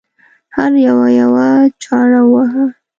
هر یوه یوه یوه چاړه وواهه.